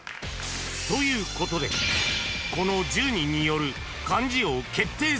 ［ということでこの１０人による］